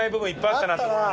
あったな。